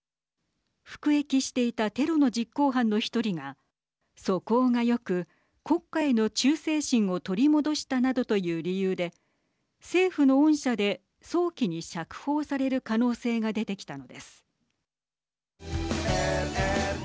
服役していたテロの実行犯の１人が素行がよく国家への忠誠心を取り戻したなどという理由で政府の恩赦で早期に釈放される可能性が出てきたのです。